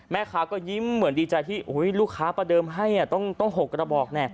แม่ค้าก็ยิ้มเหมือนดีใจที่ลูกค้าประเดิมให้ต้อง๖กระบอก